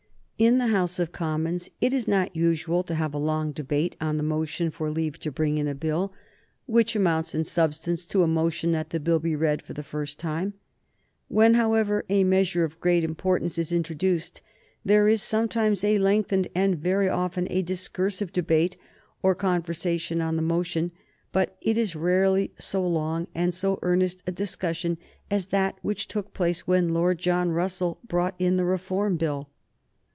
In the House of Commons it is not usual to have a long debate on the motion for leave to bring in a Bill, which amounts in substance to a motion that the Bill be read for the first time. When, however, a measure of great importance is introduced there is sometimes a lengthened and very often a discursive debate or conversation on the motion; but it is rarely so long and so earnest a discussion as that which took place when Lord John Russell brought in the Reform Bill.